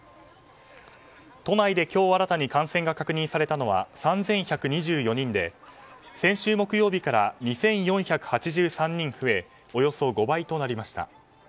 都内で今日新たに感染が確認されたのは３１２４人で先週木曜日から２４８３人増えおよそ５倍となりました。